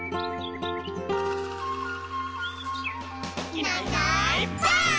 「いないいないばあっ！」